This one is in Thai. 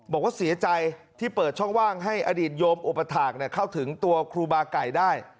บอกว่าเสียใจที่เปิดช่องว่างให้อดีตโยมอุปถาคเข้าถึงตัวครูบาไก่ได้